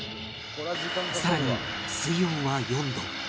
さらに水温は４度